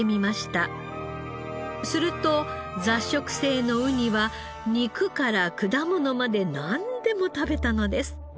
すると雑食性のウニは肉から果物までなんでも食べたのです。